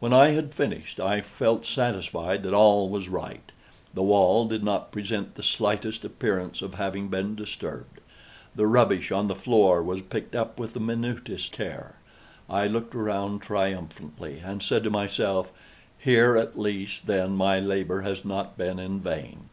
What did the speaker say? When I had finished, I felt satisfied that all was right. The wall did not present the slightest appearance of having been disturbed. The rubbish on the floor was picked up with the minutest care. I looked around triumphantly, and said to myself: "Here at least, then, my labor has not been in vain."